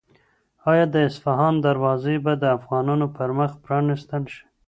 آیا د اصفهان دروازې به د افغانانو پر مخ پرانیستل شي؟